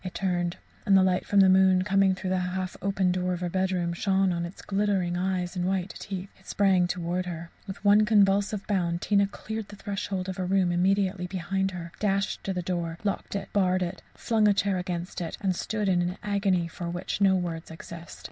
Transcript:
It turned, and the light from the moon, coming through the half open door of her bedroom, shone on its glittering eyes and white teeth. It sprang towards her. With one convulsive bound Tina cleared the threshold of a room immediately behind her, dashed the door to locked it barred it flung a chair against it; and stood in an agony, for which no words exist.